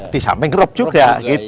disamping roh juga